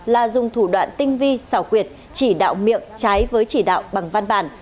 là dùng thủ đoạn tinh vi xảo quyệt chỉ đạo miệng trái với chỉ đạo bằng văn bản